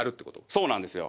そうなんですよ。